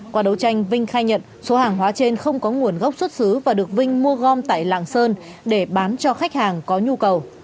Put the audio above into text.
qua đấu tranh vinh khai nhận số hàng hóa trên không có nguồn gốc xuất xứ và được vinh mua gom tại lạng sơn để bán cho khách hàng có nhu cầu